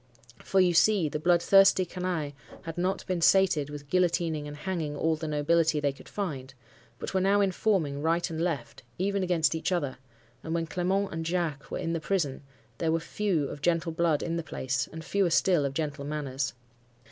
For you see, the bloodthirsty canaille had not been sated with guillotining and hanging all the nobility they could find, but were now informing, right and left, even against each other; and when Clement and Jacques were in the prison, there were few of gentle blood in the place, and fewer still of gentle manners.